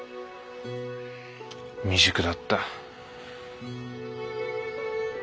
未熟だった。